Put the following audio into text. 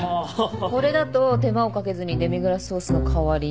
これだと手間をかけずにデミグラスソースの代わりに。